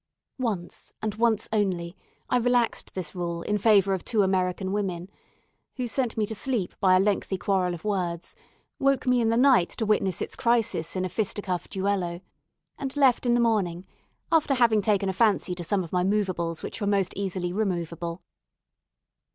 Once, and once only, I relaxed this rule in favour of two American women, who sent me to sleep by a lengthy quarrel of words, woke me in the night to witness its crisis in a fisticuff duello, and left in the morning, after having taken a fancy to some of my moveables which were most easily removeable.